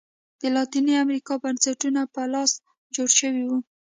د لاتینې امریکا بنسټونه په لاس جوړ شوي وو.